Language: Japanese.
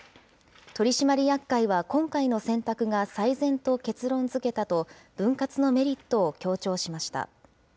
取締役会は今回の選択が最善と結論づけたと、分割のメリットを強調しました。